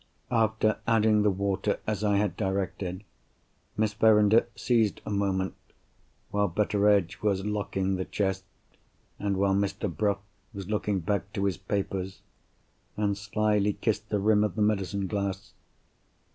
After adding the water as I had directed, Miss Verinder seized a moment—while Betteredge was locking the chest, and while Mr. Bruff was looking back to his papers—and slyly kissed the rim of the medicine glass.